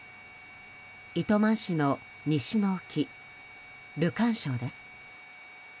糸満市の西の沖、ルカン礁です。